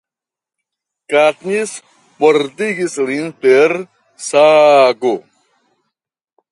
Katniss mortigas lin per sago.